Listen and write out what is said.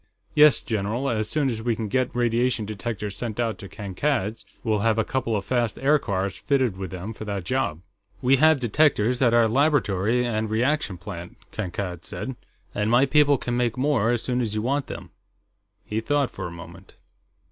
"Yes, general, as soon as we can get radiation detectors sent out to Kankad's, we'll have a couple of fast aircars fitted with them for that job." "We have detectors, at our laboratory and reaction plant," Kankad said. "And my people can make more, as soon as you want them." He thought for a moment.